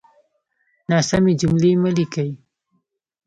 ناسمې جملې مه ليکئ!